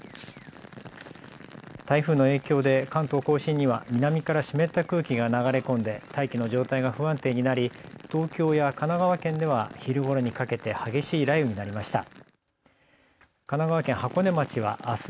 台風の影響で関東甲信には南から湿った空気が流れ込んで大気の状態が不安定になり東京や神奈川県では昼ごろにかけて激しい雷雨になりました。